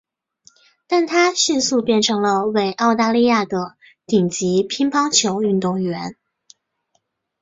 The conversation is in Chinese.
但她迅速变成为了澳大利亚的顶级乒乓球运动员。